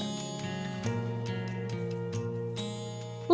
pembelian tangki septik